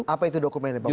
apa itu dokumennya pak wadid